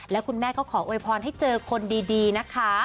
แล้วคุณแม่ก็ขอโวยพรให้เจอคนดีนะคะ